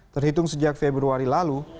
terhitung sejak februari lalu